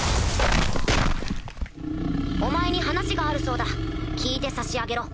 ・お前に話があるそうだ聞いてさしあげろ。